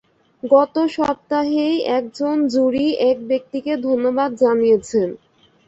গত সপ্তাহেই একজন জুরি এক ব্যক্তিকে ধন্যবাদ জানিয়েছেন।